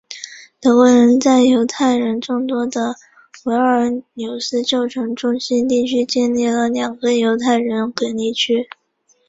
德国人在犹太人众多的维尔纽斯旧城中心地区建立了两个犹太人隔离区。